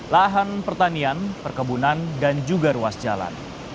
lahan pertanian perkebunan dan juga ruas jalan